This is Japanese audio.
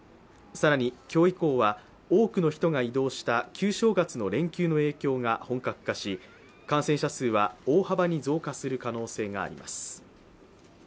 更に今日以降は多くの人が移動した旧正月の連休の影響が本格化し感染者数は大幅に増加する可能性があります。